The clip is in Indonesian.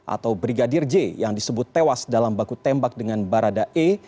atau brigadir j yang disebut tewas dalam baku tembak dengan barada e